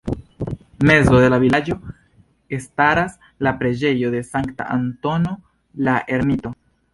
Mezo de la vilaĝo staras la preĝejo de Sankta Antono la Ermito.